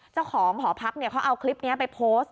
เจ้าของหอพักเขาเอาคลิปนี้ไปโพสต์